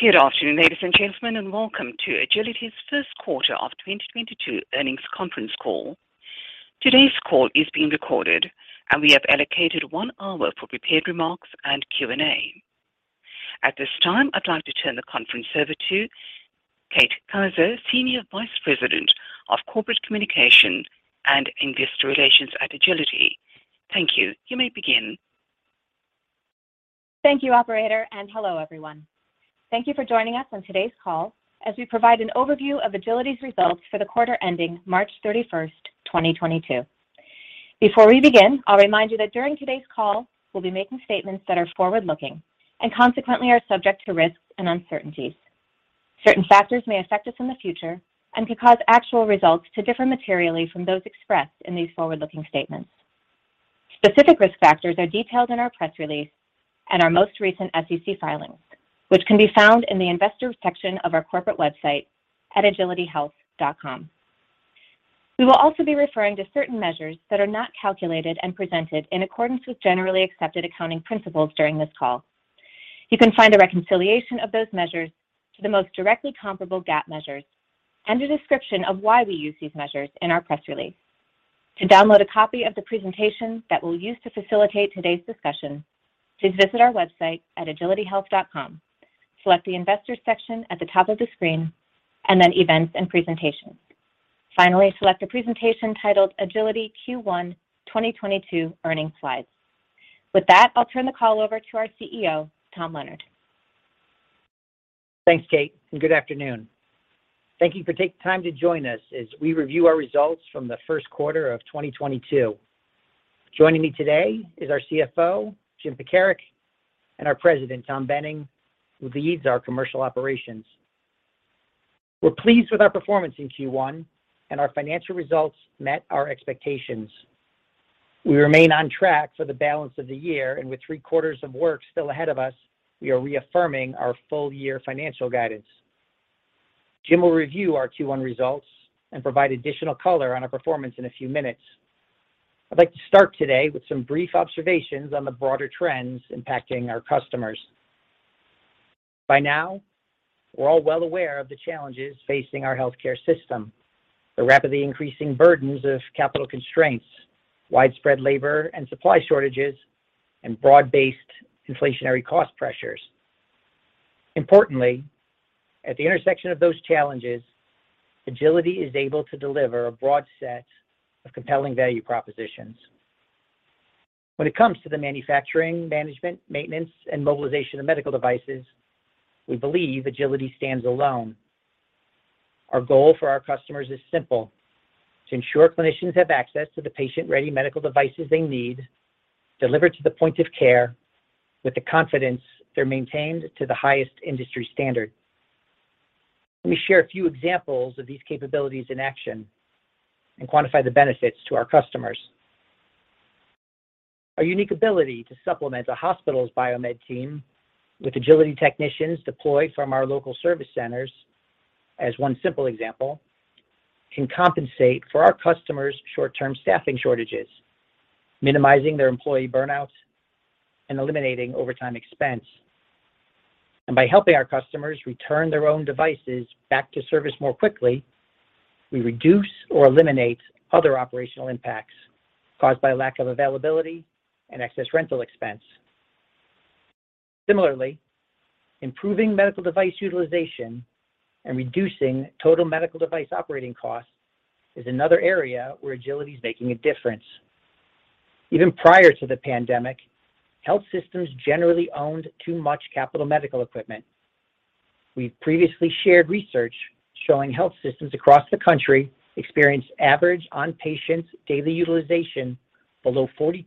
Good afternoon, ladies and gentlemen, and welcome to Agiliti's first quarter of 2022 earnings conference call. Today's call is being recorded, and we have allocated one hour for prepared remarks and Q&A. At this time, I'd like to turn the conference over to Kate Kaiser, Senior Vice President of Corporate Communications and Investor Relations at Agiliti. Thank you. You may begin. Thank you, operator, and hello, everyone. Thank you for joining us on today's call as we provide an overview of Agiliti's results for the quarter ending March 31, 2022. Before we begin, I'll remind you that during today's call, we'll be making statements that are forward-looking and consequently are subject to risks and uncertainties. Certain factors may affect us in the future and could cause actual results to differ materially from those expressed in these forward-looking statements. Specific risk factors are detailed in our press release and our most recent SEC filings, which can be found in the Investors section of our corporate website at agilitihealth.com. We will also be referring to certain measures that are not calculated and presented in accordance with generally accepted accounting principles during this call. You can find a reconciliation of those measures to the most directly comparable GAAP measures and a description of why we use these measures in our press release. To download a copy of the presentation that we'll use to facilitate today's discussion, please visit our website at agilitihealth.com, select the Investors section at the top of the screen and then Events and Presentations. Finally, select the presentation titled Agiliti Q1 2022 Earnings Slides. With that, I'll turn the call over to our CEO, Tom Leonard. Thanks, Kate, and good afternoon. Thank you for taking time to join us as we review our results from the first quarter of 2022. Joining me today is our CFO, Jim Pekarek, and our President, Tom Boehning, who leads our commercial operations. We're pleased with our performance in Q1 and our financial results met our expectations. We remain on track for the balance of the year and with three-quarters of work still ahead of us, we are reaffirming our full year financial guidance. Jim will review our Q1 results and provide additional color on our performance in a few minutes. I'd like to start today with some brief observations on the broader trends impacting our customers. By now, we're all well aware of the challenges facing our healthcare system, the rapidly increasing burdens of capital constraints, widespread labor and supply shortages, and broad-based inflationary cost pressures. Importantly, at the intersection of those challenges, Agiliti is able to deliver a broad set of compelling value propositions. When it comes to the manufacturing, management, maintenance, and mobilization of medical devices, we believe Agiliti stands alone. Our goal for our customers is simple: to ensure clinicians have access to the patient-ready medical devices they need delivered to the point of care with the confidence they're maintained to the highest industry standard. Let me share a few examples of these capabilities in action and quantify the benefits to our customers. Our unique ability to supplement a hospital's biomed team with Agiliti technicians deployed from our local service centers, as one simple example, can compensate for our customers' short-term staffing shortages, minimizing their employee burnout and eliminating overtime expense. By helping our customers return their own devices back to service more quickly, we reduce or eliminate other operational impacts caused by lack of availability and excess rental expense. Similarly, improving medical device utilization and reducing total medical device operating costs is another area where Agiliti's making a difference. Even prior to the pandemic, health systems generally owned too much capital medical equipment. We've previously shared research showing health systems across the country experience average on-patient daily utilization below 42%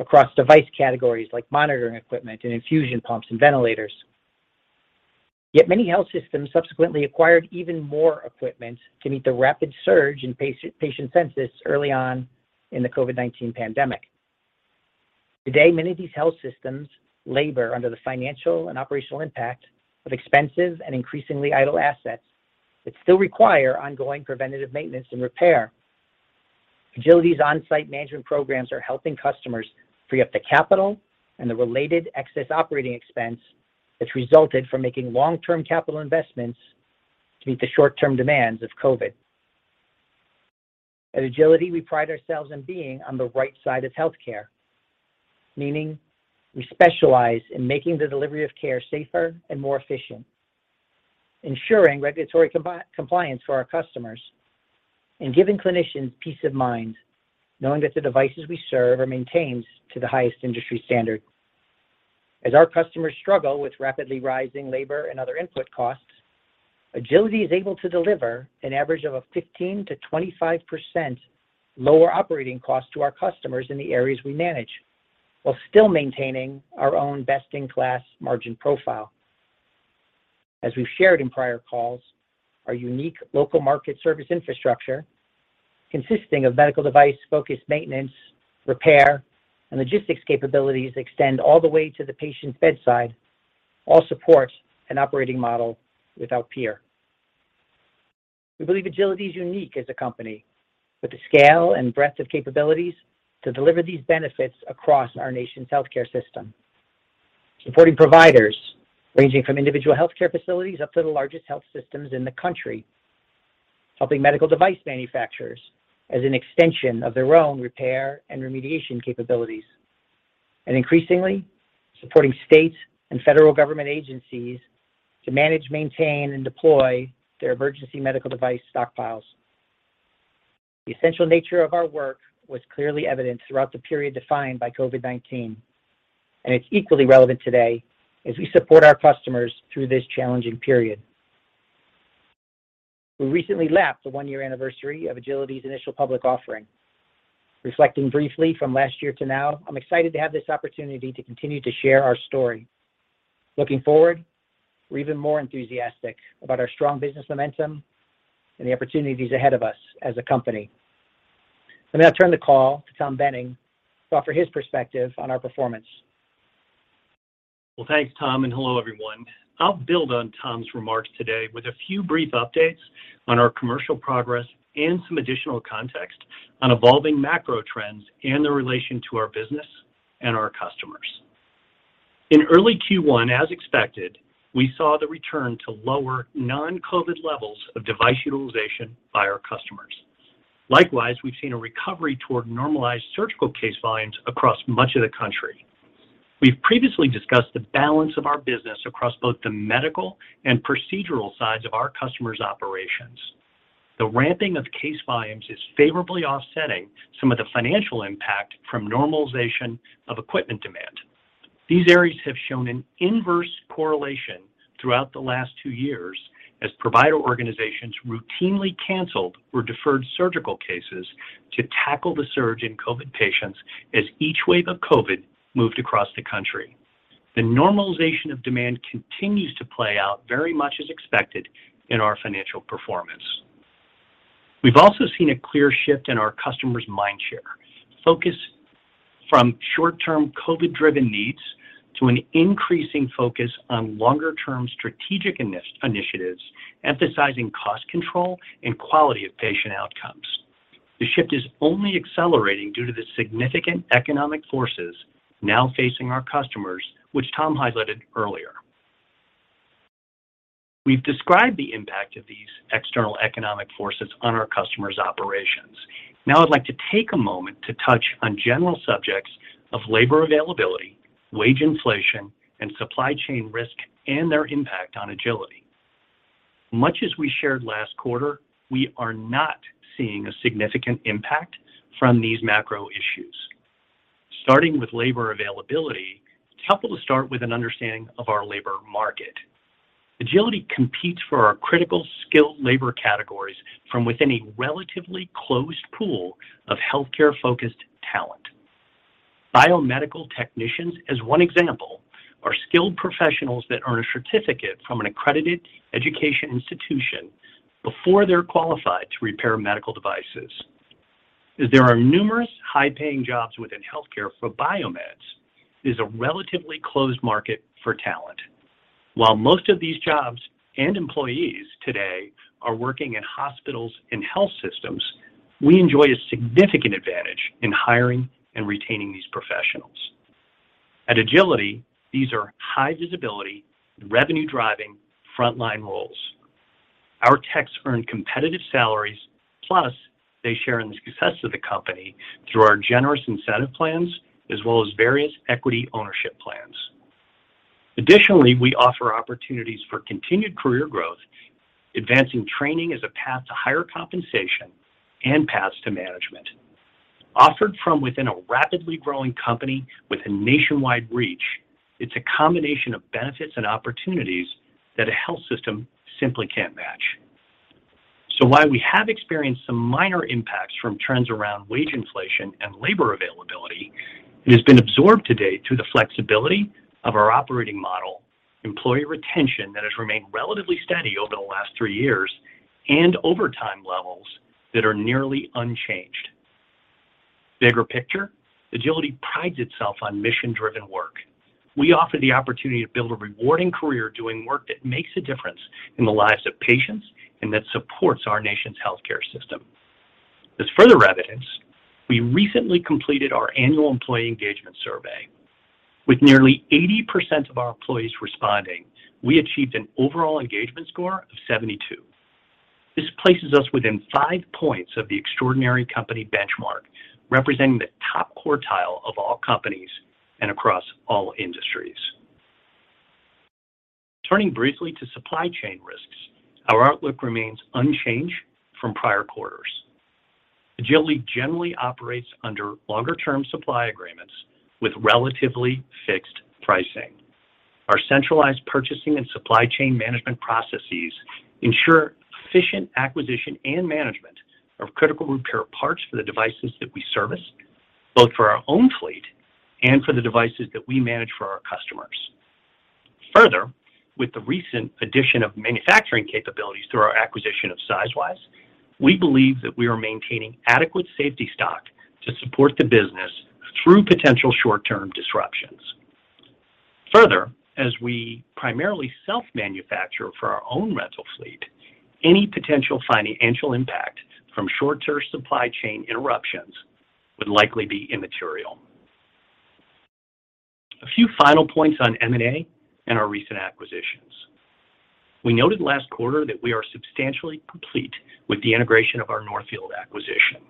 across device categories like monitoring equipment and infusion pumps and ventilators. Yet many health systems subsequently acquired even more equipment to meet the rapid surge in patient census early on in the COVID-19 pandemic. Today, many of these health systems labor under the financial and operational impact of expensive and increasingly idle assets that still require ongoing preventative maintenance and repair. Agiliti's on-site management programs are helping customers free up the capital and the related excess operating expense that's resulted from making long-term capital investments to meet the short-term demands of COVID. At Agiliti, we pride ourselves in being on the right side of healthcare, meaning we specialize in making the delivery of care safer and more efficient, ensuring regulatory compliance for our customers, and giving clinicians peace of mind knowing that the devices we serve are maintained to the highest industry standard. As our customers struggle with rapidly rising labor and other input costs, Agiliti is able to deliver an average of a 15%-25% lower operating cost to our customers in the areas we manage while still maintaining our own best-in-class margin profile. As we've shared in prior calls, our unique local market service infrastructure consisting of medical device focused maintenance, repair, and logistics capabilities extend all the way to the patient's bedside, all support an operating model without peer. We believe Agiliti is unique as a company with the scale and breadth of capabilities to deliver these benefits across our nation's healthcare system. Supporting providers ranging from individual healthcare facilities up to the largest health systems in the country, helping medical device manufacturers as an extension of their own repair and remediation capabilities, and increasingly, supporting state and federal government agencies to manage, maintain, and deploy their emergency medical device stockpiles. The essential nature of our work was clearly evident throughout the period defined by COVID-19, and it's equally relevant today as we support our customers through this challenging period. We recently lapped the one-year anniversary of Agiliti's initial public offering. Reflecting briefly from last year to now, I'm excited to have this opportunity to continue to share our story. Looking forward, we're even more enthusiastic about our strong business momentum and the opportunities ahead of us as a company. Let me now turn the call to Tom Boehning to offer his perspective on our performance. Well, thanks, Tom, and hello, everyone. I'll build on Tom's remarks today with a few brief updates on our commercial progress and some additional context on evolving macro trends and their relation to our business and our customers. In early Q1, as expected, we saw the return to lower non-COVID levels of device utilization by our customers. Likewise, we've seen a recovery toward normalized surgical case volumes across much of the country. We've previously discussed the balance of our business across both the medical and procedural sides of our customers' operations. The ramping of case volumes is favorably offsetting some of the financial impact from normalization of equipment demand. These areas have shown an inverse correlation throughout the last two years as provider organizations routinely canceled or deferred surgical cases to tackle the surge in COVID patients as each wave of COVID moved across the country. The normalization of demand continues to play out very much as expected in our financial performance. We've also seen a clear shift in our customers' mind share, focus from short-term COVID-driven needs to an increasing focus on longer-term strategic initiatives, emphasizing cost control and quality of patient outcomes. The shift is only accelerating due to the significant economic forces now facing our customers, which Tom highlighted earlier. We've described the impact of these external economic forces on our customers' operations. Now I'd like to take a moment to touch on general subjects of labor availability, wage inflation, and supply chain risk, and their impact on Agiliti. Much as we shared last quarter, we are not seeing a significant impact from these macro issues. Starting with labor availability, it's helpful to start with an understanding of our labor market. Agiliti competes for our critical skilled labor categories from within a relatively closed pool of healthcare-focused talent. Biomedical technicians, as one example, are skilled professionals that earn a certificate from an accredited education institution before they're qualified to repair medical devices. As there are numerous high-paying jobs within healthcare for biomeds, it is a relatively closed market for talent. While most of these jobs and employees today are working in hospitals and health systems, we enjoy a significant advantage in hiring and retaining these professionals. At Agiliti, these are high visibility and revenue-driving frontline roles. Our techs earn competitive salaries, plus they share in the success of the company through our generous incentive plans as well as various equity ownership plans. Additionally, we offer opportunities for continued career growth, advancing training as a path to higher compensation and paths to management. Offered from within a rapidly growing company with a nationwide reach, it's a combination of benefits and opportunities that a health system simply can't match. While we have experienced some minor impacts from trends around wage inflation and labor availability, it has been absorbed to date through the flexibility of our operating model, employee retention that has remained relatively steady over the last three years, and overtime levels that are nearly unchanged. Bigger picture, Agiliti prides itself on mission-driven work. We offer the opportunity to build a rewarding career doing work that makes a difference in the lives of patients and that supports our nation's healthcare system. As further evidence, we recently completed our annual employee engagement survey. With nearly 80% of our employees responding, we achieved an overall engagement score of 72. This places us within five points of the extraordinary company benchmark, representing the top quartile of all companies and across all industries. Turning briefly to supply chain risks, our outlook remains unchanged from prior quarters. Agiliti generally operates under longer-term supply agreements with relatively fixed pricing. Our centralized purchasing and supply chain management processes ensure efficient acquisition and management of critical repair parts for the devices that we service, both for our own fleet and for the devices that we manage for our customers. Further, with the recent addition of manufacturing capabilities through our acquisition of Sizewise, we believe that we are maintaining adequate safety stock to support the business through potential short-term disruption. Further, as we primarily self-manufacture for our own rental fleet, any potential financial impact from short-term supply chain interruptions would likely be immaterial. A few final points on M&A and our recent acquisitions. We noted last quarter that we are substantially complete with the integration of our Northfield acquisition.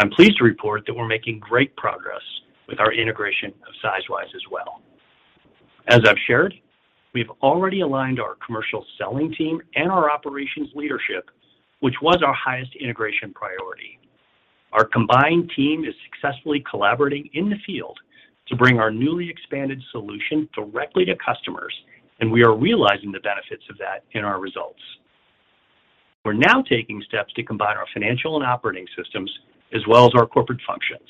I'm pleased to report that we're making great progress with our integration of Sizewise as well. As I've shared, we've already aligned our commercial selling team and our operations leadership, which was our highest integration priority. Our combined team is successfully collaborating in the field to bring our newly expanded solution directly to customers, and we are realizing the benefits of that in our results. We're now taking steps to combine our financial and operating systems, as well as our corporate functions.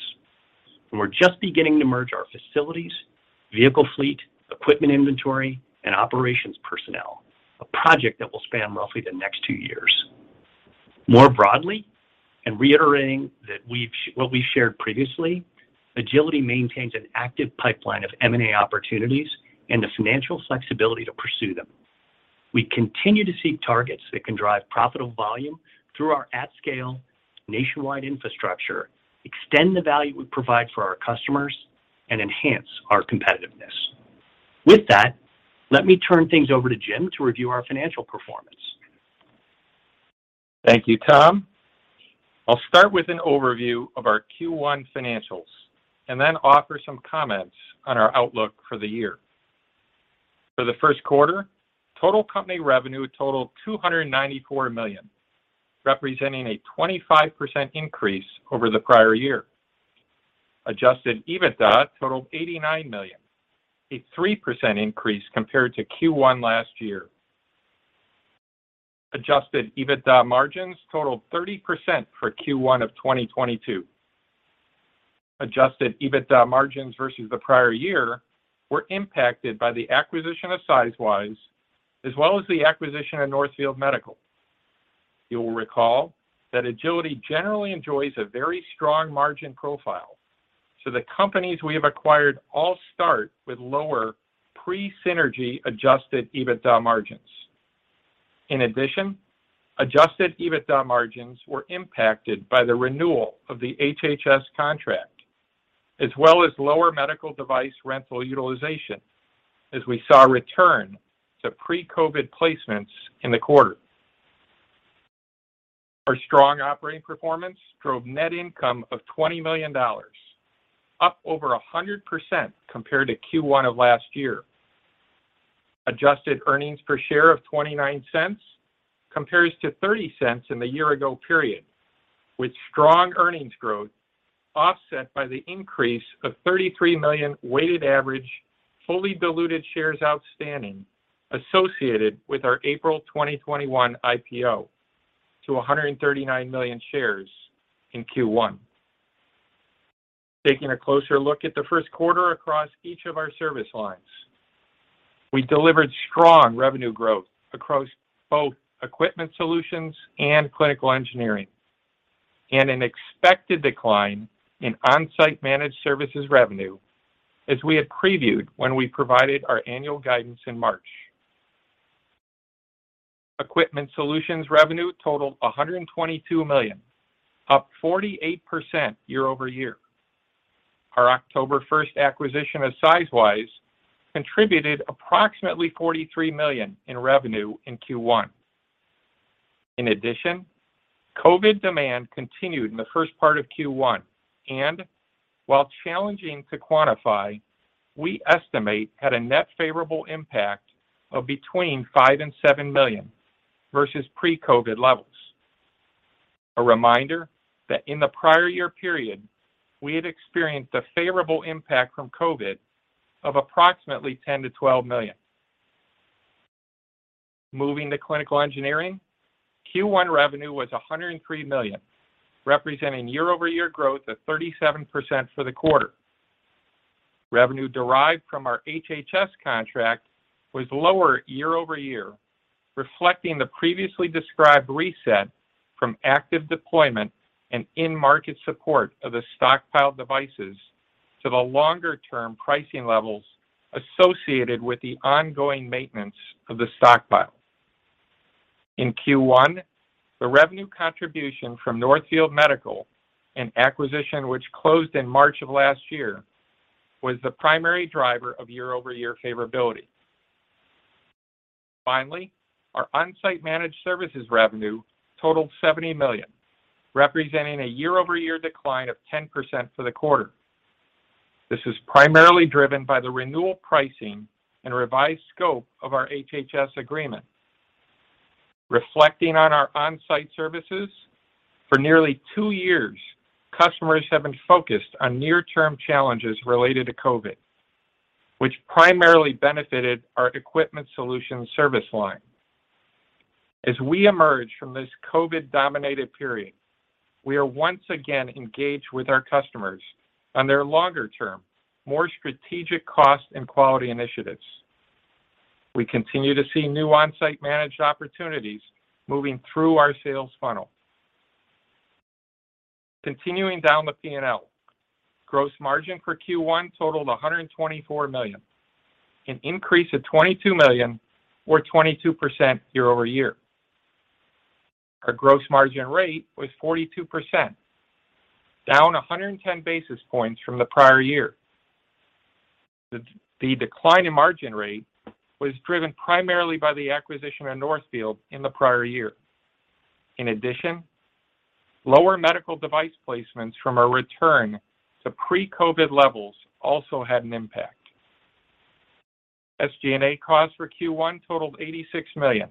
We're just beginning to merge our facilities, vehicle fleet, equipment inventory, and operations personnel. A project that will span roughly the next two years. More broadly, and reiterating what we shared previously, Agiliti maintains an active pipeline of M&A opportunities and the financial flexibility to pursue them. We continue to seek targets that can drive profitable volume through our at-scale nationwide infrastructure, extend the value we provide for our customers, and enhance our competitiveness. With that, let me turn things over to Jim to review our financial performance. Thank you, Tom. I'll start with an overview of our Q1 financials and then offer some comments on our outlook for the year. For the first quarter, total company revenue totaled $294 million, representing a 25% increase over the prior year. Adjusted EBITDA totaled $89 million, a 3% increase compared to Q1 last year. Adjusted EBITDA margins totaled 30% for Q1 of 2022. Adjusted EBITDA margins versus the prior year were impacted by the acquisition of Sizewise, as well as the acquisition of Northfield Medical. You'll recall that Agiliti generally enjoys a very strong margin profile, so the companies we have acquired all start with lower pre-synergy adjusted EBITDA margins. In addition, adjusted EBITDA margins were impacted by the renewal of the HHS contract, as well as lower medical device rental utilization as we saw a return to pre-COVID placements in the quarter. Our strong operating performance drove net income of $20 million, up over 100% compared to Q1 of last year. Adjusted Earnings Per Share of $0.29 compares to $0.30 in the year ago period, with strong earnings growth offset by the increase of 33 million weighted average fully diluted shares outstanding associated with our April 2021 IPO to 139 million shares in Q1. Taking a closer look at the first quarter across each of our service lines. We delivered strong revenue growth across both Equipment Solutions and Clinical Engineering, and an expected decline in Onsite Managed Services revenue as we had previewed when we provided our annual guidance in March. Equipment Solutions revenue totaled $122 million, up 48% year-over-year. Our October 1 acquisition of Sizewise contributed approximately $43 million in revenue in Q1. In addition, COVID demand continued in the first part of Q1, and while challenging to quantify, we estimate had a net favorable impact of between $5 million and $7 million versus pre-COVID levels. A reminder that in the prior year period, we had experienced a favorable impact from COVID of approximately $10 million-$12 million. Moving to Clinical Engineering, Q1 revenue was $103 million, representing year-over-year growth of 37% for the quarter. Revenue derived from our HHS contract was lower year-over-year, reflecting the previously described reset from active deployment and in-market support of the stockpiled devices to the longer-term pricing levels associated with the ongoing maintenance of the stockpile. In Q1, the revenue contribution from Northfield Medical, an acquisition which closed in March of last year, was the primary driver of year-over-year favorability. Finally, our onsite managed services revenue totaled $70 million, representing a year-over-year decline of 10% for the quarter. This is primarily driven by the renewal pricing and revised scope of our HHS agreement. Reflecting on our on-site services, for nearly two years, customers have been focused on near-term challenges related to COVID, which primarily benefited our Equipment Solutions service line. As we emerge from this COVID-dominated period, we are once again engaged with our customers on their longer-term, more strategic cost and quality initiatives. We continue to see new on-site managed opportunities moving through our sales funnel. Continuing down the P&L. Gross margin for Q1 totaled $124 million, an increase of $22 million or 22% year-over-year. Our gross margin rate was 42%, down 110 basis points from the prior year. The decline in margin rate was driven primarily by the acquisition of Northfield in the prior year. In addition, lower medical device placements from a return to pre-COVID levels also had an impact. SG&A costs for Q1 totaled $86 million,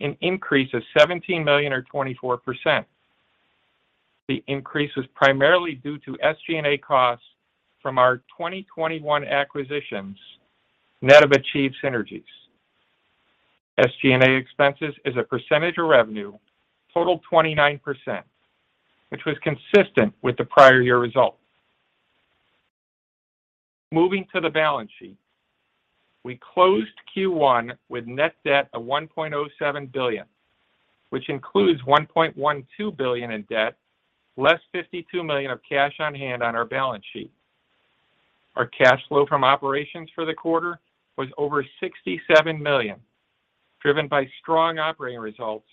an increase of $17 million or 24%. The increase is primarily due to SG&A costs from our 2021 acquisitions net of achieved synergies. SG&A expenses as a percentage of revenue totaled 29%, which was consistent with the prior year results. Moving to the balance sheet. We closed Q1 with net debt of $1.07 billion, which includes $1.12 billion in debt, less $52 million of cash on hand on our balance sheet. Our cash flow from operations for the quarter was over $67 million, driven by strong operating results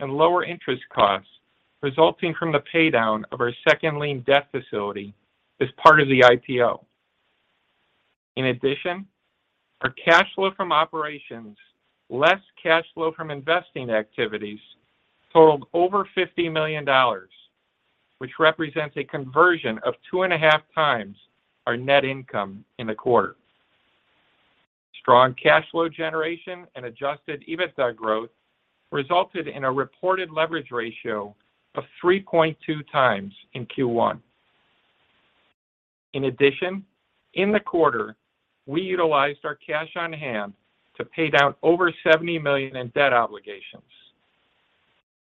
and lower interest costs resulting from the pay down of our second lien debt facility as part of the IPO. In addition, our cash flow from operations, less cash flow from investing activities totaled over $50 million, which represents a conversion of 2.5x our net income in the quarter. Strong cash flow generation and Adjusted EBITDA growth resulted in a reported leverage ratio of 3.2x in Q1. In addition, in the quarter, we utilized our cash on hand to pay down over $70 million in debt obligations.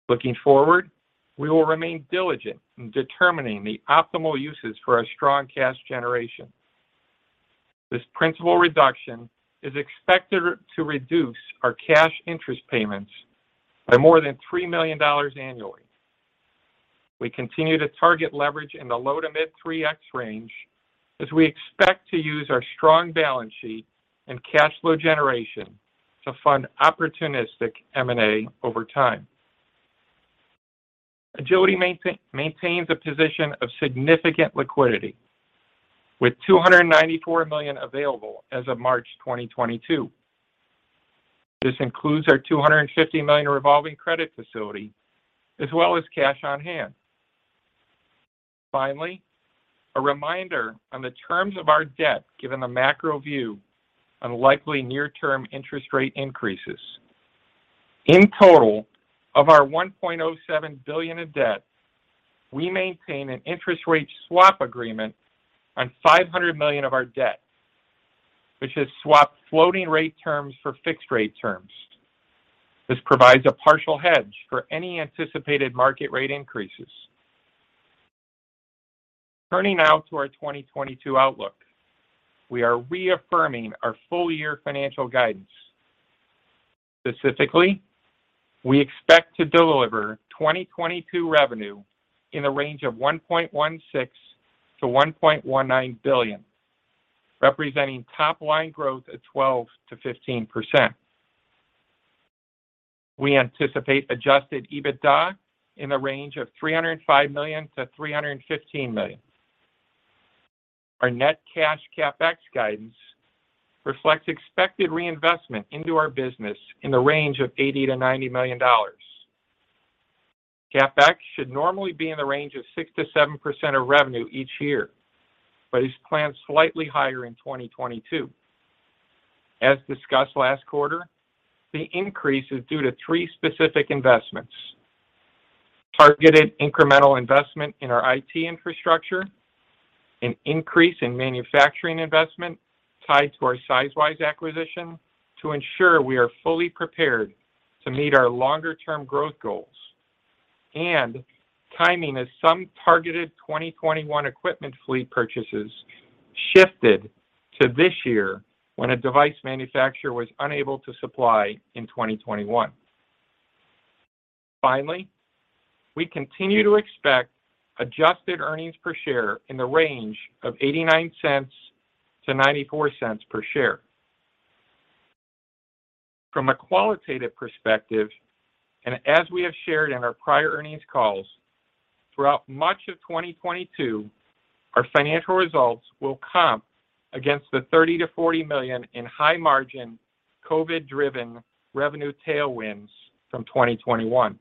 Looking forward, we will remain diligent in determining the optimal uses for our strong cash generation. This principal reduction is expected to reduce our cash interest payments by more than $3 million annually. We continue to target leverage in the low to mid 3x range as we expect to use our strong balance sheet and cash flow generation to fund opportunistic M&A over time. Agiliti maintains a position of significant liquidity with $294 million available as of March 2022. This includes our $250 million revolving credit facility, as well as cash on hand. Finally, a reminder on the terms of our debt, given the macro view on likely near term interest rate increases. In total, of our $1.07 billion of debt, we maintain an interest rate swap agreement on $500 million of our debt, which has swapped floating rate terms for fixed rate terms. This provides a partial hedge for any anticipated market rate increases. Turning now to our 2022 outlook. We are reaffirming our full year financial guidance. Specifically, we expect to deliver 2022 revenue in the range of $1.16 billion-$1.19 billion, representing top line growth of 12%-15%. We anticipate Adjusted EBITDA in the range of $305 million-$315 million. Our net cash CapEx guidance reflects expected reinvestment into our business in the range of $80 million-$90 million. CapEx should normally be in the range of 6%-7% of revenue each year, but is planned slightly higher in 2022. As discussed last quarter, the increase is due to three specific investments. Targeted incremental investment in our IT infrastructure, an increase in manufacturing investment tied to our Sizewise acquisition to ensure we are fully prepared to meet our longer term growth goals, and timing of some targeted 2021 equipment fleet purchases shifted to this year when a device manufacturer was unable to supply in 2021. Finally, we continue to expect adjusted earnings per share in the range of $0.89-$0.94 per share. From a qualitative perspective, and as we have shared in our prior earnings calls, throughout much of 2022, our financial results will comp against the $30 million-$40 million in high margin COVID-driven revenue tailwinds from 2021.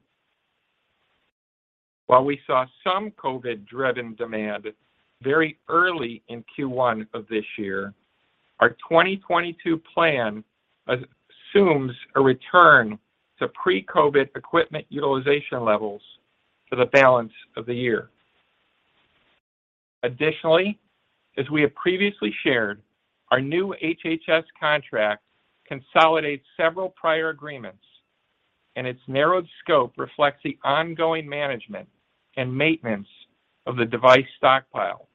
While we saw some COVID-driven demand very early in Q1 of this year, our 2022 plan assumes a return to pre-COVID equipment utilization levels for the balance of the year. Additionally, as we have previously shared, our new HHS contract consolidates several prior agreements, and its narrowed scope reflects the ongoing management and maintenance of the device stockpile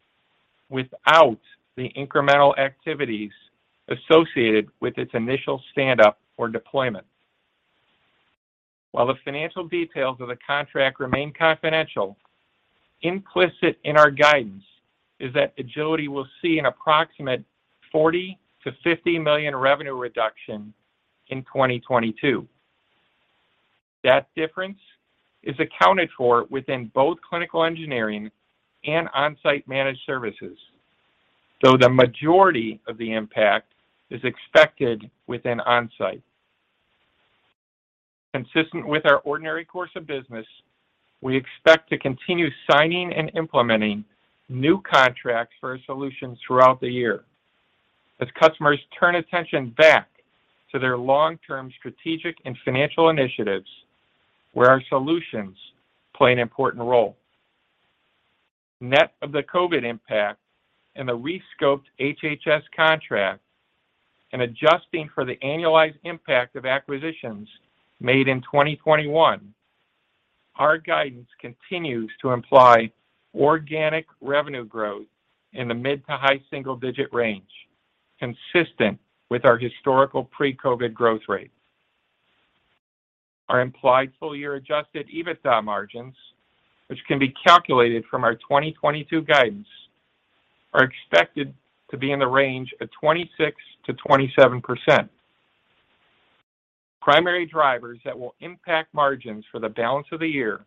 without the incremental activities associated with its initial stand up or deployment. While the financial details of the contract remain confidential, implicit in our guidance is that Agiliti will see an approximate $40 million-$50 million revenue reduction in 2022. That difference is accounted for within both clinical engineering and onsite managed services, though the majority of the impact is expected within onsite. Consistent with our ordinary course of business, we expect to continue signing and implementing new contracts for our solutions throughout the year as customers turn attention back to their long-term strategic and financial initiatives, where our solutions play an important role. Net of the COVID impact and the re-scoped HHS contract and adjusting for the annualized impact of acquisitions made in 2021, our guidance continues to imply organic revenue growth in the mid- to high-single-digit range, consistent with our historical pre-COVID growth rate. Our implied full-year adjusted EBITDA margins, which can be calculated from our 2022 guidance, are expected to be in the range of 26%-27%. Primary drivers that will impact margins for the balance of the year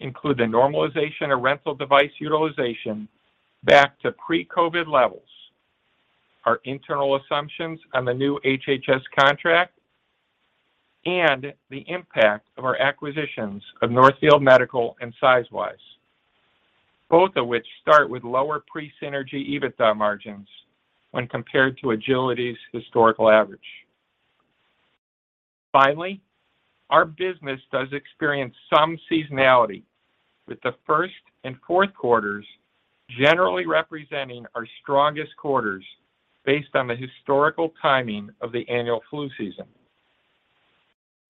include the normalization of rental device utilization back to pre-COVID levels, our internal assumptions on the new HHS contract, and the impact of our acquisitions of Northfield Medical and Sizewise, both of which start with lower pre-synergy EBITDA margins when compared to Agiliti's historical average. Finally, our business does experience some seasonality, with the first and fourth quarters generally representing our strongest quarters based on the historical timing of the annual flu season.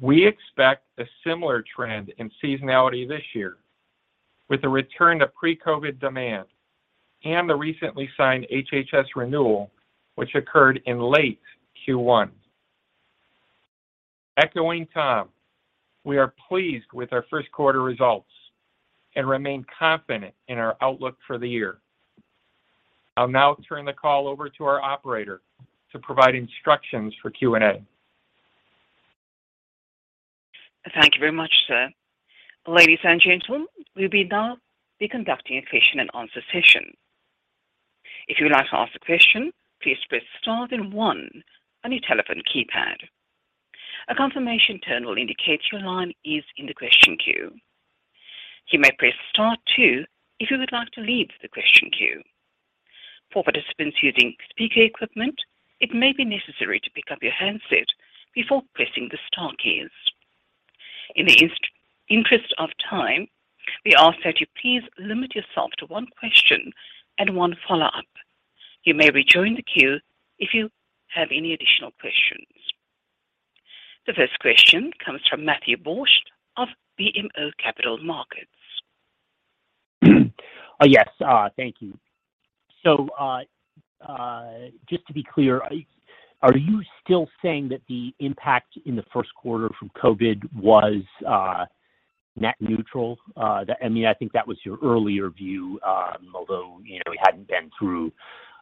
We expect a similar trend in seasonality this year with the return to pre-COVID demand and the recently signed HHS renewal, which occurred in late Q1. Echoing Tom, we are pleased with our first quarter results and remain confident in our outlook for the year. I'll now turn the call over to our operator to provide instructions for Q&A. Thank you very much, sir. Ladies and gentlemen, we will now be conducting a question and answer session. If you would like to ask a question, please press star then one on your telephone keypad. A confirmation tone will indicate your line is in the question queue. You may press star two if you would like to leave the question queue. For participants using speaker equipment, it may be necessary to pick up your handset before pressing the star keys. In the interest of time, we ask that you please limit yourself to one question and one follow-up. You may rejoin the queue if you have any additional questions. The first question comes from Matthew Borsch of BMO Capital Markets. Yes, thank you. Just to be clear, are you still saying that the impact in the first quarter from COVID was net neutral? I mean, I think that was your earlier view, although, you know, we hadn't been through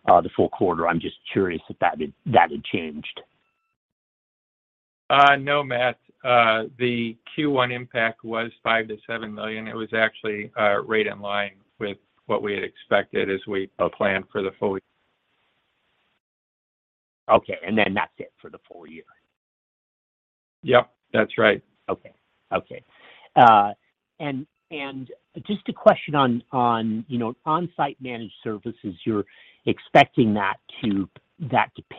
the full quarter. I'm just curious if that had changed. No, Matt. The Q1 impact was $5 million-$7 million. It was actually right in line with what we had expected as we planned for the full year. Okay, that's it for the full year? Yep, that's right. Just a question on you know Onsite Managed Services. You're expecting that to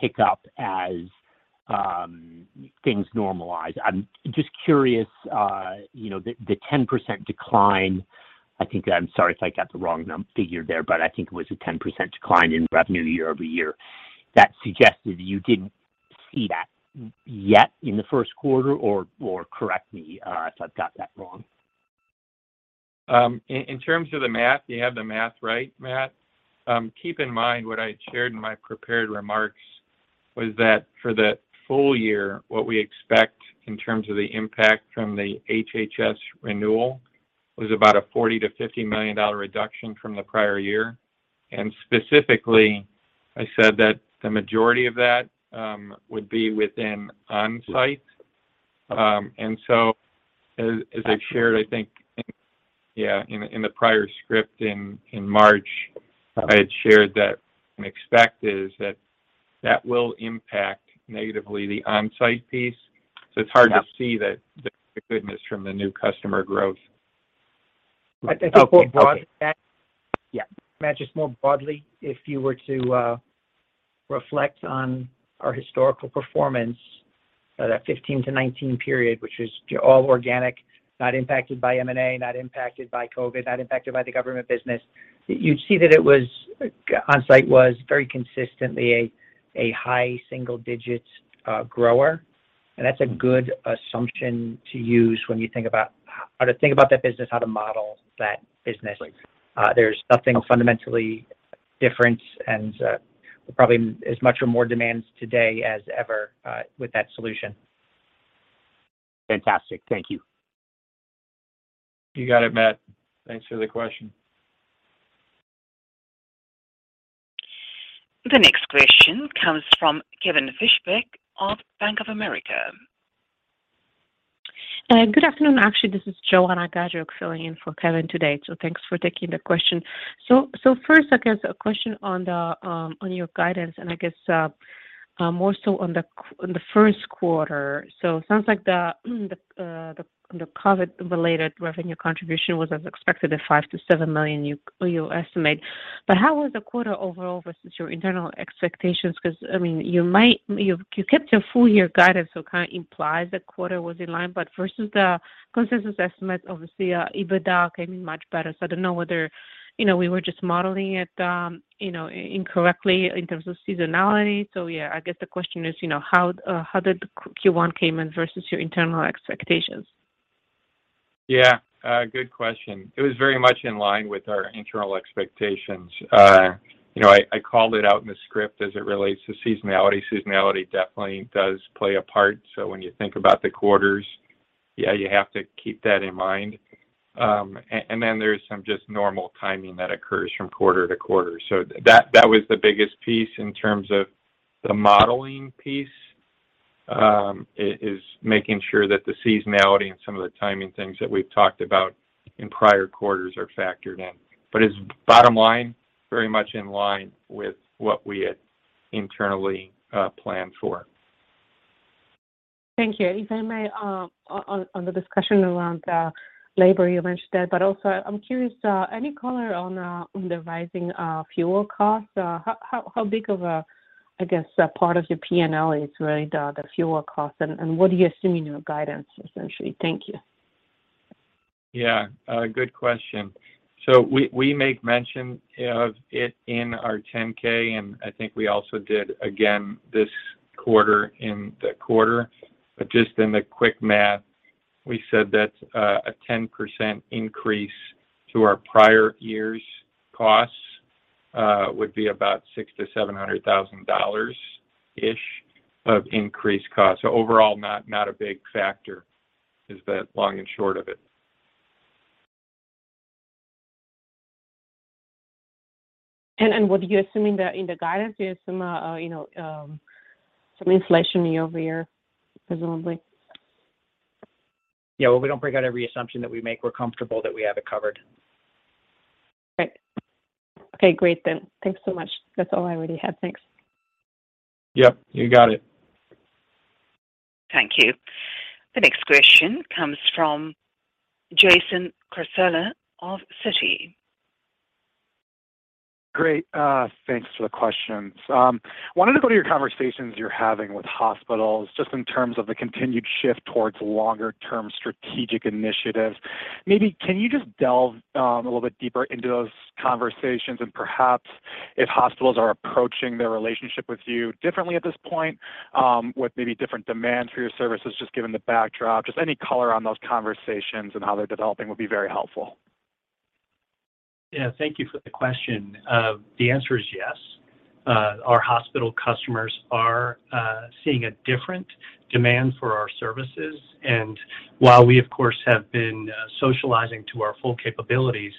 pick up as things normalize. I'm just curious you know the 10% decline I think. I'm sorry if I got the wrong figure there but I think it was a 10% decline in revenue year-over-year. That suggested you didn't see that yet in the first quarter or correct me if I've got that wrong. In terms of the math, you have the math right, Matt. Keep in mind what I shared in my prepared remarks was that for the full year, what we expect in terms of the impact from the HHS renewal was about a $40 million-$50 million reduction from the prior year. Specifically, I said that the majority of that would be within Onsite. As I shared, I think in the prior script in March, I had shared that and expectation is that that will impact negatively the Onsite piece. It's hard to see the goodness from the new customer growth. Okay. Matt, just more broadly, if you were to reflect on our historical performance, that 15-19 period, which was all organic, not impacted by M&A, not impacted by COVID, not impacted by the government business, you'd see that on-site was very consistently a high single digits grower. That's a good assumption to use when you think about how to think about that business, how to model that business. There's nothing fundamentally different and probably as much or more demands today as ever with that solution. Fantastic. Thank you. You got it, Matt. Thanks for the question. The next question comes from Kevin Fischbeck of Bank of America. Good afternoon. Actually, this is Joanna Gajuk filling in for Kevin today. Thanks for taking the question. First, I guess a question on your guidance and I guess more so on the first quarter. Sounds like the COVID-related revenue contribution was as expected at $5 million-$7 million you estimate. How was the quarter overall versus your internal expectations? 'Cause, I mean, you kept your full year guidance, so kinda implies the quarter was in line, but versus the consensus estimate, obviously, EBITDA came in much better. I don't know whether, you know, we were just modeling it, you know, incorrectly in terms of seasonality. Yeah, I guess the question is, you know, how did Q1 came in versus your internal expectations? Yeah. Good question. It was very much in line with our internal expectations. You know, I called it out in the script as it relates to seasonality. Seasonality definitely does play a part. When you think about the quarters, yeah, you have to keep that in mind. Then there's some just normal timing that occurs from quarter to quarter. That was the biggest piece in terms of the modeling piece, is making sure that the seasonality and some of the timing things that we've talked about in prior quarters are factored in. As bottom line, very much in line with what we had internally planned for. Thank you. If I may, on the discussion around labor you mentioned that, but also I'm curious, any color on the rising of fuel costs? How big of a, I guess, a part of your P&L is really the fuel costs, and what are you assuming in your guidance, essentially? Thank you. Yeah. Good question. We make mention of it in our 10-K, and I think we also did again this quarter in the quarter. Just in the quick math, we said that a 10% increase to our prior year's costs would be about $600,000-$700,000-ish of increased costs. Overall, not a big factor is the long and short of it. What are you assuming that in the guidance, you assume, you know, some inflation year-over-year, presumably? Yeah. Well, we don't break out every assumption that we make. We're comfortable that we have it covered. Great. Okay, great then. Thanks so much. That's all I really had. Thanks. Yep, you got it. Thank you. The next question comes from Jason Cassorla of Citi. Great. Thanks for the questions. Wanted to go to your conversations you're having with hospitals, just in terms of the continued shift towards longer term strategic initiatives. Maybe can you just delve, a little bit deeper into those conversations and perhaps if hospitals are approaching their relationship with you differently at this point, with maybe different demands for your services, just given the backdrop. Just any color on those conversations and how they're developing would be very helpful. Yeah. Thank you for the question. The answer is yes. Our hospital customers are seeing a different demand for our services. While we, of course, have been socializing to our full capabilities,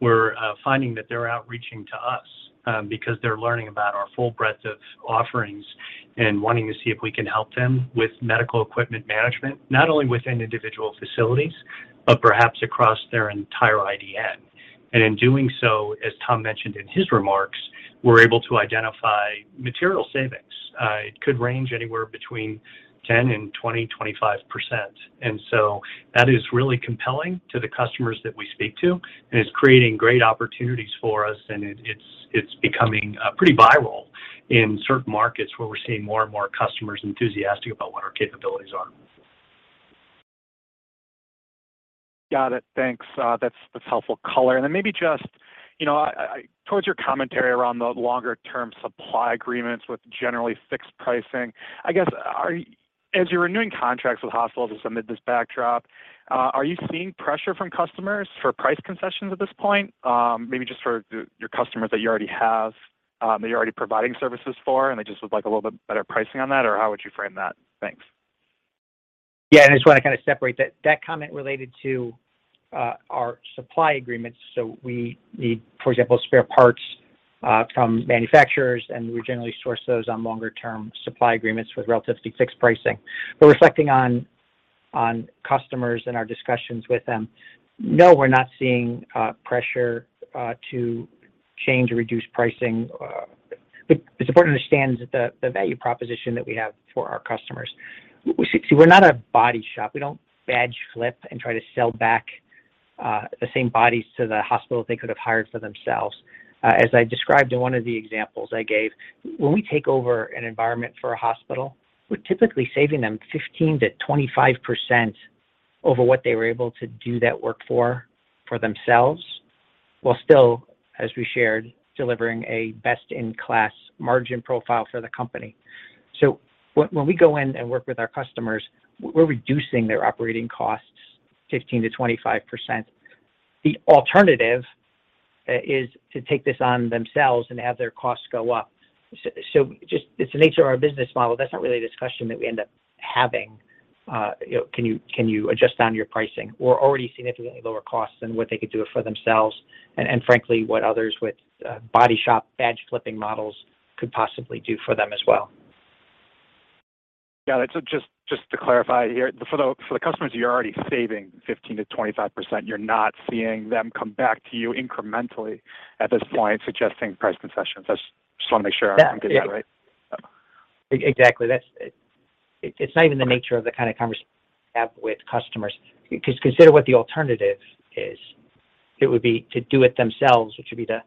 we're finding that they're reaching out to us because they're learning about our full breadth of offerings and wanting to see if we can help them with medical equipment management. Not only within individual facilities, but perhaps across their entire IDN. In doing so, as Tom mentioned in his remarks, we're able to identify material savings. It could range anywhere between 10%-25%. That is really compelling to the customers that we speak to and is creating great opportunities for us, and it's becoming pretty viral in certain markets where we're seeing more and more customers enthusiastic about what our capabilities are. Got it. Thanks. That's helpful color. Maybe just, you know, towards your commentary around the longer term supply agreements with generally fixed pricing, I guess, as you're renewing contracts with hospitals just amid this backdrop, are you seeing pressure from customers for price concessions at this point? Maybe just for your customers that you already have, that you're already providing services for and they just would like a little bit better pricing on that, or how would you frame that? Thanks. Yeah, I just wanna kinda separate that. That comment related to our supply agreements, so we need, for example, spare parts from manufacturers, and we generally source those on longer term supply agreements with relatively fixed pricing. Reflecting on customers and our discussions with them, no, we're not seeing pressure to change or reduce pricing. It's important to understand the value proposition that we have for our customers. See, we're not a body shop. We don't badge flip and try to sell back the same bodies to the hospital they could have hired for themselves. As I described in one of the examples I gave, when we take over an environment for a hospital, we're typically saving them 15%-25% over what they were able to do that work for themselves, while still, as we shared, delivering a best-in-class margin profile for the company. When we go in and work with our customers, we're reducing their operating costs 15%-25%. The alternative is to take this on themselves and have their costs go up. Just it's the nature of our business model. That's not really a discussion that we end up having. You know, can you adjust down your pricing? We're already significantly lower costs than what they could do it for themselves and frankly what others with body shop badge flipping models could possibly do for them as well. Yeah. Just to clarify here, for the customers you're already saving 15%-25%, you're not seeing them come back to you incrementally at this point, suggesting price concessions. I just wanna make sure I'm getting that right. Yeah. Exactly. That's it. It's not even the nature of the kind of conversation we have with customers. Consider what the alternative is. It would be to do it themselves, which would be to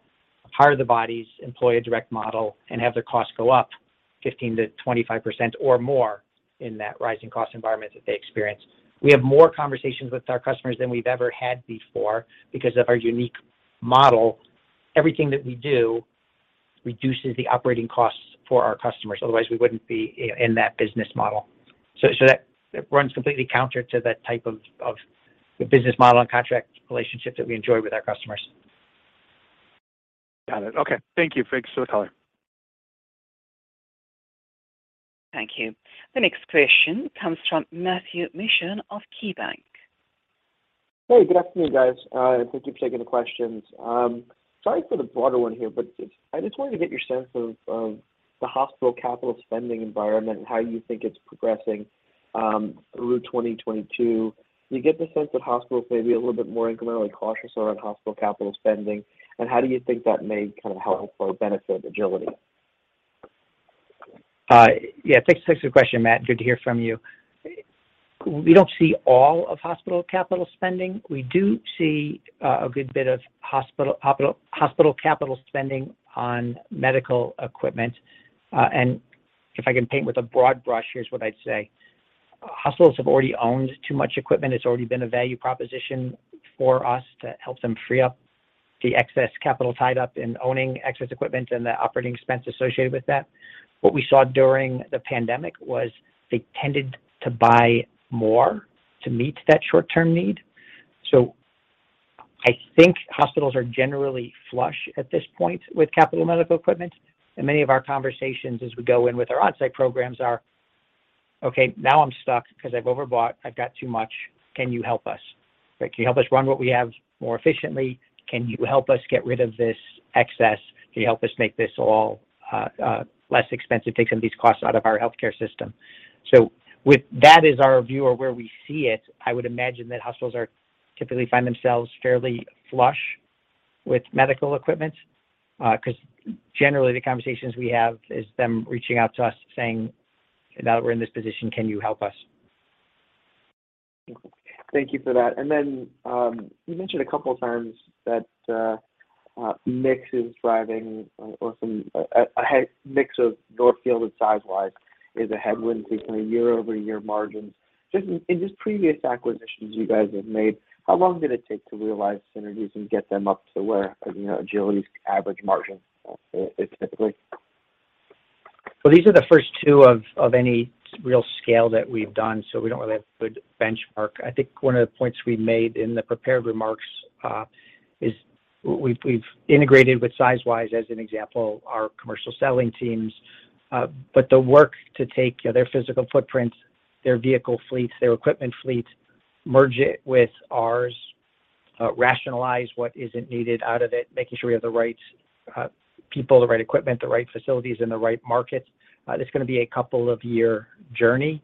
hire the bodies, employ a direct model, and have their costs go up 15%-25% or more in that rising cost environment that they experience. We have more conversations with our customers than we've ever had before because of our unique model. Everything that we do reduces the operating costs for our customers, otherwise we wouldn't be in that business model. That runs completely counter to the type of the business model and contract relationship that we enjoy with our customers. Got it. Okay. Thank you. Thanks for the color. Thank you. The next question comes from Matthew Mishan of KeyBanc Capital Markets. Hey, good afternoon, guys. Thank you for taking the questions. Sorry for the broader one here, but I just wanted to get your sense of the hospital capital spending environment and how you think it's progressing through 2022. Do you get the sense that hospitals may be a little bit more incrementally cautious around hospital capital spending, and how do you think that may kind of help or benefit Agiliti? Yeah. Thanks. Thanks for the question, Matt. Good to hear from you. We don't see all of hospital capital spending. We do see a good bit of hospital capital spending on medical equipment. If I can paint with a broad brush, here's what I'd say. Hospitals have already owned too much equipment. It's already been a value proposition for us to help them free up the excess capital tied up in owning excess equipment and the operating expense associated with that. What we saw during the pandemic was they tended to buy more to meet that short-term need. I think hospitals are generally flush at this point with capital medical equipment, and many of our conversations as we go in with our on-site programs are, "Okay, now I'm stuck 'cause I've overbought. I've got too much. Can you help us?" Right. Can you help us run what we have more efficiently? Can you help us get rid of this excess? Can you help us make this all, less expensive, take some of these costs out of our healthcare system?" That is our view or where we see it. I would imagine that hospitals typically find themselves fairly flush with medical equipment, 'cause generally the conversations we have is them reaching out to us saying, "Now that we're in this position, can you help us? Thank you for that. You mentioned a couple times that a mix of Northfield and Sizewise is a headwind facing year-over-year margins. Just previous acquisitions you guys have made, how long did it take to realize synergies and get them up to where, you know, Agiliti's average margin is typically? These are the first two of any real scale that we've done, so we don't really have good benchmark. I think one of the points we made in the prepared remarks is we've integrated with Sizewise, as an example, our commercial selling teams. The work to take, you know, their physical footprint, their vehicle fleets, their equipment fleet, merge it with ours, rationalize what isn't needed out of it, making sure we have the right people, the right equipment, the right facilities in the right markets, that's gonna be a couple of year journey.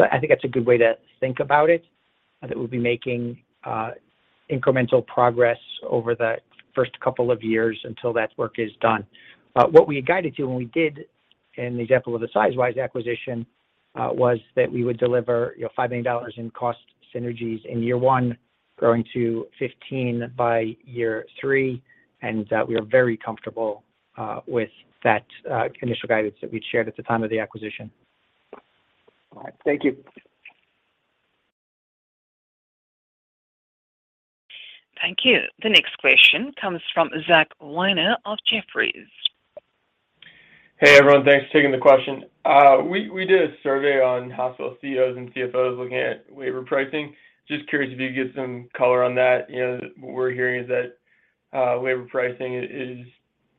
I think that's a good way to think about it, that we'll be making incremental progress over the first couple of years until that work is done. What we had guided to when we did an example of the Sizewise acquisition was that we would deliver, you know, $5 million in cost synergies in year 1, growing to $15 million by year 3, and that we are very comfortable with that initial guidance that we'd shared at the time of the acquisition. All right. Thank you. Thank you. The next question comes from Zachary Weiner of Jefferies. Hey, everyone. Thanks for taking the question. We did a survey on hospital CEOs and CFOs looking at labor pricing. Just curious if you could give some color on that. You know, what we're hearing is that labor pricing is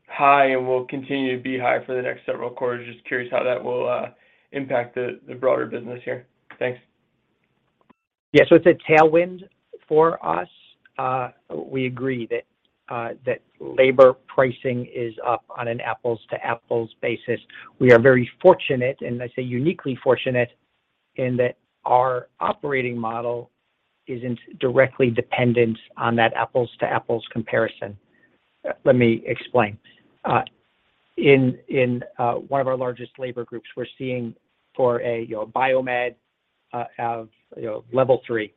high and will continue to be high for the next several quarters. Just curious how that will impact the broader business here. Thanks. Yeah. It's a tailwind for us. We agree that labor pricing is up on an apples to apples basis. We are very fortunate, and I say uniquely fortunate, in that our operating model isn't directly dependent on that apples to apples comparison. Let me explain. In one of our largest labor groups, we're seeing for a, you know, biomed, you know, level three,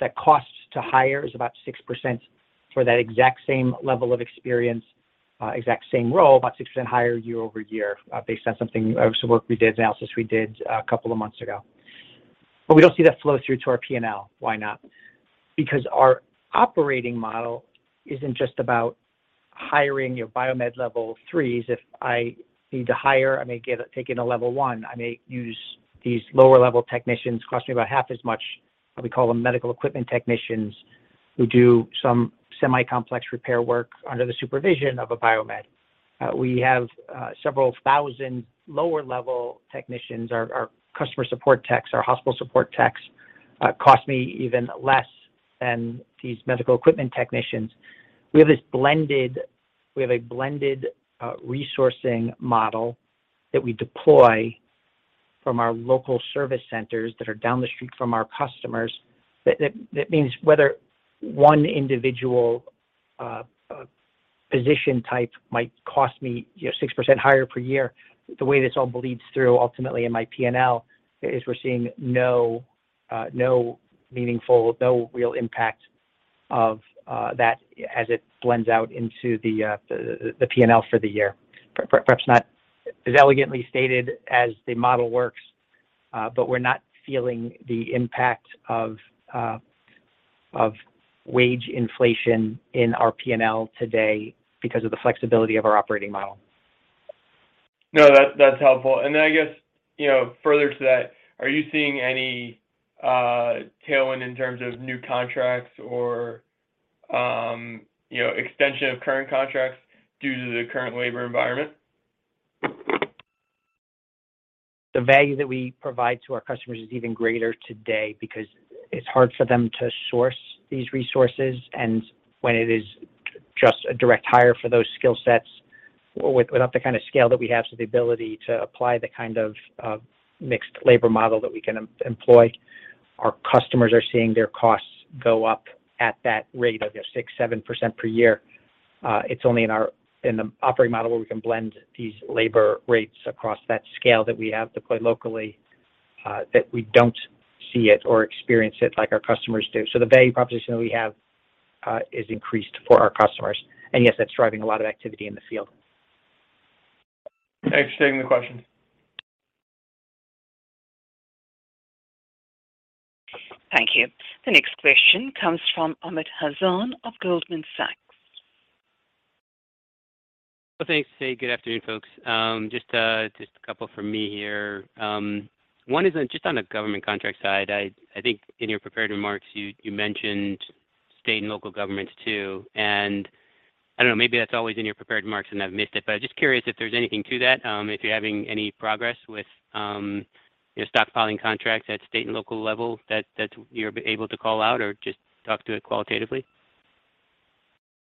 that the cost to hire is about 6% for that exact same level of experience, exact same role, about 6% higher year-over-year, based on some work we did, analysis we did a couple of months ago. We don't see that flow through to our P&L. Why not? Because our operating model isn't just about hiring your biomed level threes. If I need to hire, I may take in a level one. I may use these lower-level technicians, cost me about half as much. We call them medical equipment technicians who do some semi-complex repair work under the supervision of a biomed. We have several thousand lower-level technicians. Our customer support techs, our hospital support techs, cost me even less than these medical equipment technicians. We have a blended resourcing model that we deploy from our local service centers that are down the street from our customers. That means whether one individual position type might cost me, you know, 6% higher per year, the way this all bleeds through ultimately in my P&L is we're seeing no meaningful, no real impact of that as it blends out into the P&L for the year. Perhaps not as elegantly stated as the model works, but we're not feeling the impact of wage inflation in our P&L today because of the flexibility of our operating model. No, that's helpful. I guess, you know, further to that, are you seeing any tailwind in terms of new contracts or, you know, extension of current contracts due to the current labor environment? The value that we provide to our customers is even greater today because it's hard for them to source these resources. When it is just a direct hire for those skill sets without the kind of scale that we have, so the ability to apply the kind of mixed labor model that we can employ, our customers are seeing their costs go up at that rate of 6%-7% per year. It's only in our operating model where we can blend these labor rates across that scale that we have deployed locally that we don't see it or experience it like our customers do. The value proposition that we have is increased for our customers. Yes, that's driving a lot of activity in the field. Thanks for taking the question. Thank you. The next question comes from Amit Hazan of Goldman Sachs. Well, thanks. Hey, good afternoon, folks. Just a couple from me here. One is on just the government contract side. I think in your prepared remarks, you mentioned state and local governments, too. I don't know, maybe that's always in your prepared remarks and I've missed it, but just curious if there's anything to that, if you're having any progress with you know, stockpiling contracts at state and local level that you're able to call out or just talk to it qualitatively.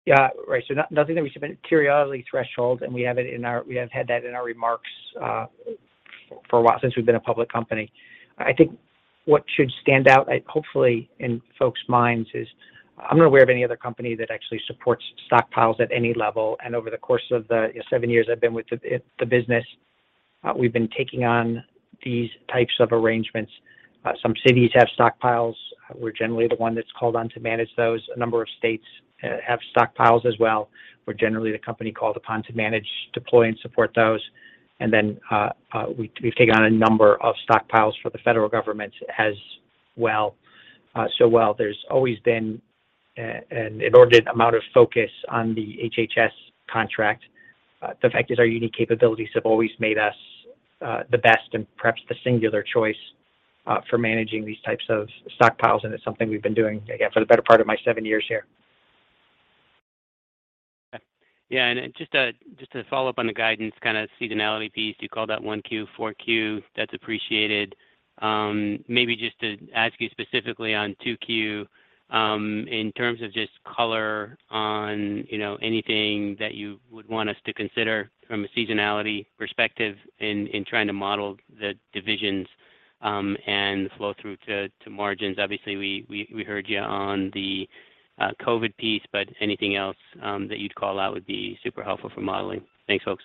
Yeah, right. Nothing that we submit periodically threshold, and we have had that in our remarks for a while, since we've been a public company. I think what should stand out, hopefully in folks' minds, is I'm not aware of any other company that actually supports stockpiles at any level. Over the course of the seven years I've been with the business, we've been taking on these types of arrangements. Some cities have stockpiles. We're generally the one that's called on to manage those. A number of states have stockpiles as well. We're generally the company called upon to manage, deploy, and support those. We've taken on a number of stockpiles for the federal government as well. While there's always been an inordinate amount of focus on the HHS contract, the fact is our unique capabilities have always made us the best and perhaps the singular choice for managing these types of stockpiles, and it's something we've been doing, again, for the better part of my seven years here. Yeah. Just to follow up on the guidance kinda seasonality piece, you called out one Q, four Q. That's appreciated. Maybe just to ask you specifically on two Q, in terms of just color on, you know, anything that you would want us to consider from a seasonality perspective in trying to model the divisions, and the flow through to margins. Obviously, we heard you on the COVID piece, but anything else that you'd call out would be super helpful for modeling. Thanks, folks.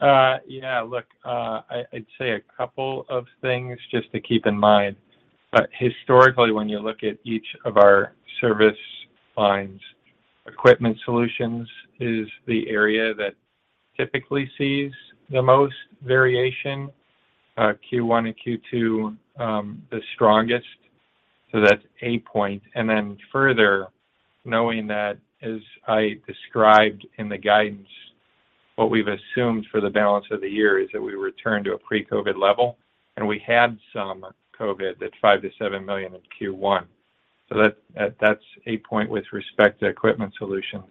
Yeah. Look, I'd say a couple of things just to keep in mind. Historically, when you look at each of our service lines, Equipment Solutions is the area that typically sees the most variation, Q1 and Q2, the strongest. That's a point. Then further, knowing that, as I described in the guidance, what we've assumed for the balance of the year is that we return to a pre-COVID level, and we had some COVID, that $5 million-$7 million in Q1. That's a point with respect to Equipment Solutions.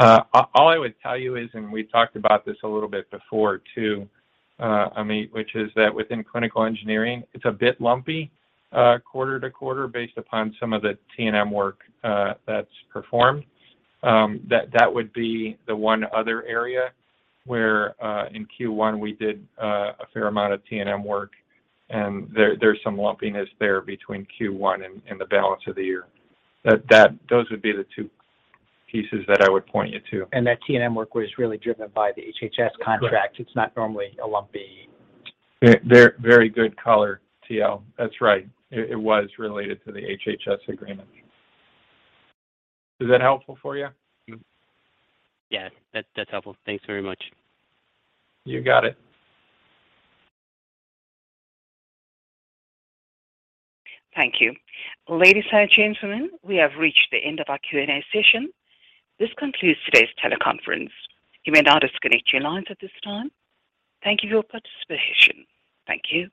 All I would tell you is we talked about this a little bit before, too, Amit, which is that within Clinical Engineering, it's a bit lumpy, quarter to quarter based upon some of the TNM work, that's performed. That would be the one other area where in Q1 we did a fair amount of TNM work, and there's some lumpiness there between Q1 and the balance of the year. Those would be the two pieces that I would point you to. That TNM work was really driven by the HHS contract. Correct. It's not normally a lumpy. Very good color, TL. That's right. It was related to the HHS agreement. Is that helpful for you? Yes. That's helpful. Thanks very much. You got it. Thank you. Ladies and gentlemen, we have reached the end of our Q&A session. This concludes today's teleconference. You may now disconnect your lines at this time. Thank you for your participation. Thank you.